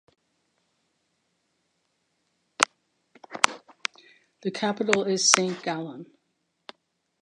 The capital is Saint Gallen.